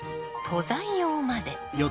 登山用まで。